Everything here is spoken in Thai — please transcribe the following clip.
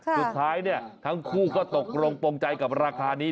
สุดท้ายเนี่ยทั้งคู่ก็ตกลงปงใจกับราคานี้